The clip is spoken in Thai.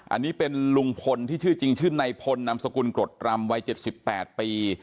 อันนี้เป็นลุงพลที่ชื่อจริงชื่อนายพลนามสกุลกรดรำวัย๗๘ปี